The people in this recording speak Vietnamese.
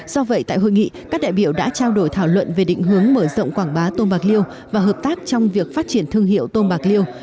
do vậy tại hội nghị các đại biểu đã trao đổi thảo luận về định hướng mở rộng quảng bá tôm bạc liêu và hợp tác trong việc phát triển thương hiệu tôm bạc liêu